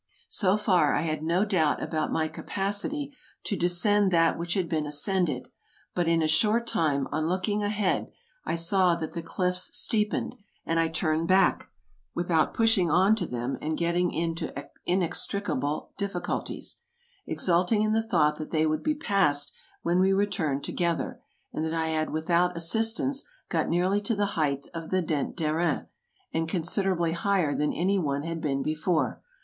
So far, I had no doubt about my capacity to descend that which had been ascended; but in a short time, on looking ahead, I saw that the cliffs steepened, and I turned back (without pushing on to them and getting into inextricable difficulties), exulting in the thought that they would be passed when we returned together, and that I had without assistance got nearly to the height of the Dent d'Herens, and considerably higher than any one had been before.